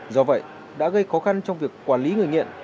do vậy đã gây khó khăn trong việc quản lý người nghiện